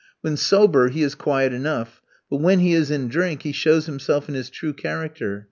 When sober, he is quiet enough, but when he is in drink he shows himself in his true character.